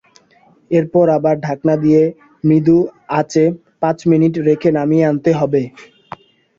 এরপর আবার ঢাকনা দিয়ে মৃদু আঁচে পাঁচ মিনিট রেখে নামিয়ে আনতে হবে।